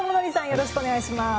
よろしくお願いします。